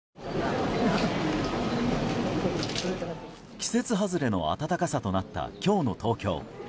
季節外れの暖かさとなった今日の東京。